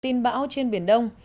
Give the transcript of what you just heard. tin bão trên biển đông